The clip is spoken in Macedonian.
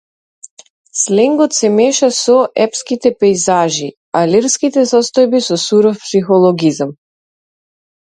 Сленгот се меша со епските пејзажи, а лирските состојби со суров психологизам.